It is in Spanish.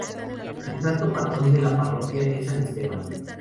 El santo patrón de la parroquia es San Esteban.